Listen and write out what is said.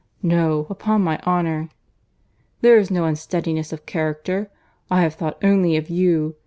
No, upon my honour, there is no unsteadiness of character. I have thought only of you.